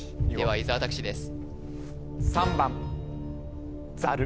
伊沢拓司です